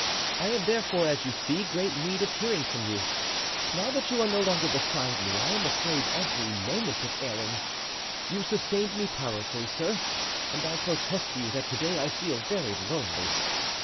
I have, therefore, as you see, great need of hearing from you. Now that you are no longer beside me I am afraid every moment of erring. You sustained me powerfully, sir, and I protest to you that to day I feel very lonely.